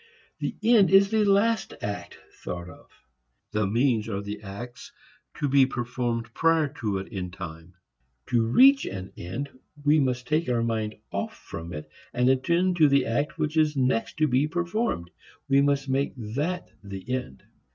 The "end" is the last act thought of; the means are the acts to be performed prior to it in time. To reach an end we must take our mind off from it and attend to the act which is next to be performed. We must make that the end.